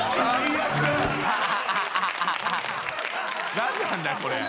何なんだこれ？